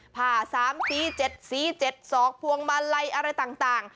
พา๓๔๗๔๗สอกพวงมาลัยอะไรต่าง